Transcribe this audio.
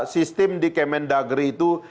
sistem di kemendagri itu